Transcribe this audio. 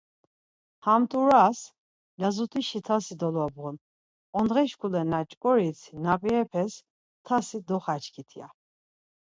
Ham t̆uvras lazut̆işi tasi dolobğun, ondğe şkule na ç̌ǩorit nap̌irepes tasi doxaçkit ya.